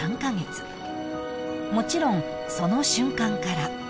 ［もちろんその瞬間から］